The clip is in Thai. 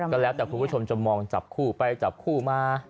คุณผู้ชมจะมองจับคู่ไปจับคู่มา